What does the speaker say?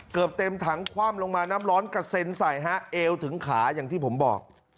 เกือบเต็มถังคว่ำลงมาน้ำร้อนกระเซ็นใส่ฮะเอวถึงขาอย่างที่ผมบอก